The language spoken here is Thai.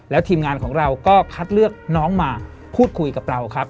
แล้วทีมงานของเราก็คัดเลือกน้องมาพูดคุยกับเราครับ